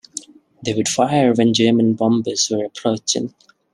They would fire when German bombers were approaching.